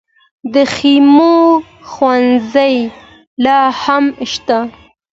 د خیمو ښوونځي لا هم شته؟